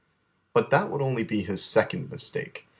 But that would only be his second mistake.